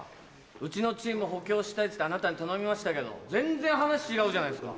「うちのチーム補強したい」ってあなたに頼みましたけど全然話違うじゃないですか。